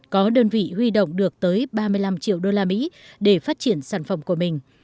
có đơn vị huy động được tới ba mươi năm triệu usd để phát triển sản phẩm của mình